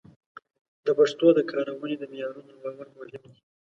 د پښتو د کارونې د معیارونو لوړول مهم دي.